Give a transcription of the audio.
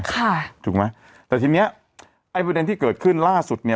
ถูกไหมแต่ทีเนี้ยไอ้ประเด็นที่เกิดขึ้นล่าสุดเนี้ย